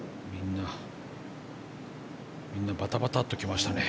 みんなバタバタッと来ましたね。